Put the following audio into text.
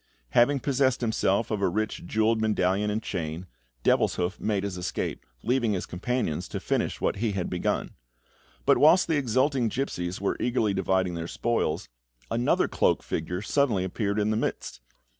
Having possessed himself of a rich jewelled medallion and chain, Devilshoof made his escape, leaving his companions to finish what he had begun; but whilst the exulting gipsies were eagerly dividing their spoils, another cloaked figure suddenly appeared in their midst.